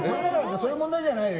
そういう問題じゃないよ。